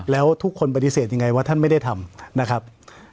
แล้วทุกคนปฏิเสธยังไงว่าท่านไม่ได้ทำนะครับ